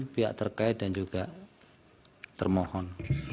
pihak terkait dan juga termohon